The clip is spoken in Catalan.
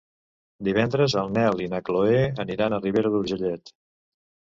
Divendres en Nel i na Chloé aniran a Ribera d'Urgellet.